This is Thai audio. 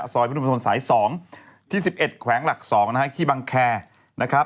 ซอยพิธีประสงค์สาย๒ที่๑๑แขวงหลัก๒ที่บังแคร์